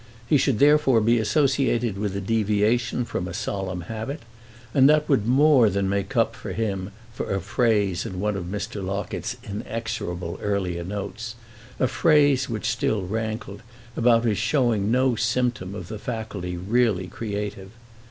He should therefore be associated with a deviation from a solemn habit, and that would more than make up to him for a phrase in one of Mr. Locket's inexorable earlier notes, a phrase which still rankled, about his showing no symptom of the faculty really creative.